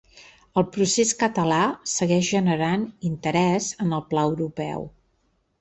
El procés català segueix generant interès en el pla europeu.